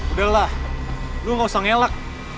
udah lah lu gak usah ngelak